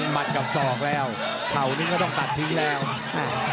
มัดกับศอกแล้วเข่านี้ก็ต้องตัดทิ้งแล้วอ่า